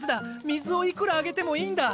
水をいくらあげてもいいんだ！